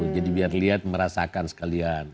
jadi biar lihat merasakan sekalian